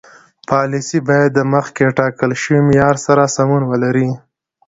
پالیسي باید د مخکې ټاکل شوي معیار سره سمون ولري.